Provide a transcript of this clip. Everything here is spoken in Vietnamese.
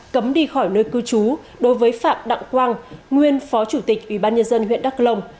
cấm đi khỏi nơi cư trú đối với phạm đặng quang nguyên phó chủ tịch ủy ban nhân dân huyện đắk lông